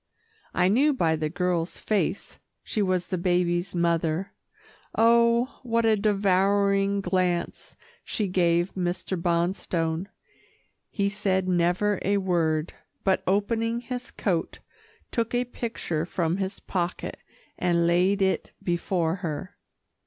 I knew by the girl's face she was the baby's mother. Oh! what a devouring glance she gave Mr. Bonstone. He said never a word, but opening his coat, took a picture from his pocket and laid it before her.